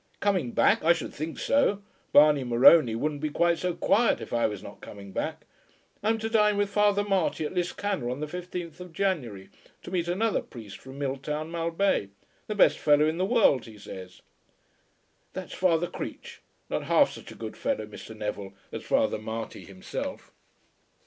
"Coming back; I should think so. Barney Morony wouldn't be quite so quiet if I was not coming back. I'm to dine with Father Marty at Liscannor on the 15th of January, to meet another priest from Milltown Malbay, the best fellow in the world he says." "That's Father Creech; not half such a good fellow, Mr. Neville, as Father Marty himself."